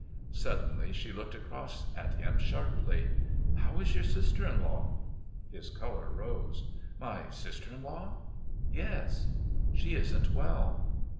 Suddenly she looked across at him sharply. "How is your sister in law?" His colour rose. "My sister in law?" "Yes." "She isn't well."